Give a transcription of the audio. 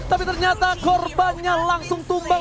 tapi ternyata korbannya langsung tumbang